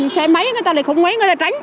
xe máy người ta lại không mấy người ta tránh